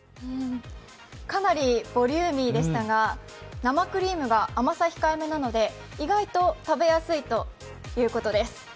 かなりボリューミーでしたが、生クリームが甘さ控えめなのでヘ意外と食べやすいということです。